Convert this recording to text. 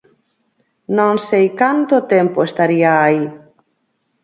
Non sei canto tempo estaría aí.